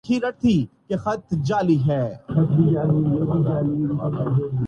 وہ خوش قسمت ہیں۔